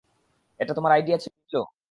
এটা তোমার আইডিয়া ছিল!